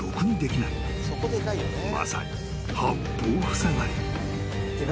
［まさに八方ふさがり］